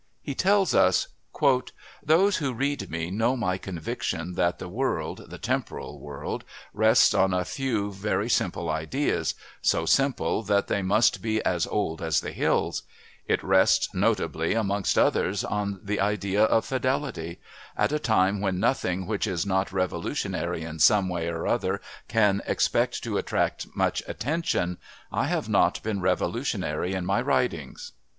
He tells us: "Those who read me know my conviction that the world, the temporal world, rests on a few very simple ideas; so simple that they must be as old as the hills. It rests, notably, amongst others, on the idea of Fidelity. At a time when nothing which is not revolutionary in some way or other can expect to attract much attention I have not been revolutionary in my writings."